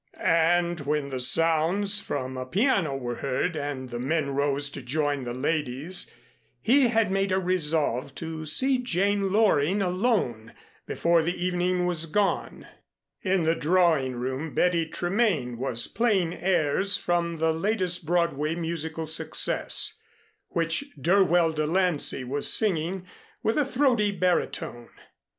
And when the sounds from a piano were heard and the men rose to join the ladies, he had made a resolve to see Jane Loring alone before the evening was gone. In the drawing room Betty Tremaine was playing airs from the latest Broadway musical success, which Dirwell De Lancey was singing with a throaty baritone.